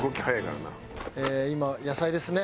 今野菜ですね。